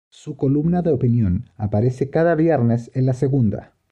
Su columna de opinión aparece cada viernes en "La Segunda".